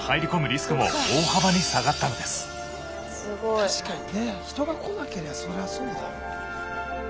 確かにね人が来なけりゃそりゃそうだ。